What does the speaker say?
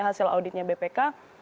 hasil auditnya bpk